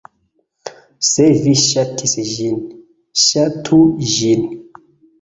Se vi ŝatis ĝin, ŝatu ĝin!